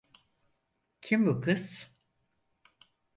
Kim bu kız?